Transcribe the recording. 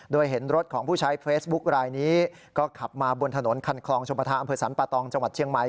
โดยเห็นรถของผู้ใช้เฟซบุ๊คลายนี้ก็ขับมาบนถนนคันคลองชมประธานอำเภอสรรปะตองจังหวัดเชียงใหม่